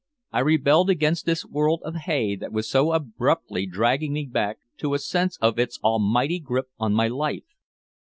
I rebelled against this world of hay that was so abruptly dragging me back to a sense of its almighty grip on my life.